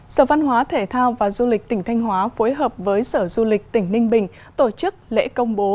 sở văn hóa thể thao và du lịch tỉnh thanh hóa phối hợp với sở du lịch tỉnh ninh bình tổ chức lễ công bố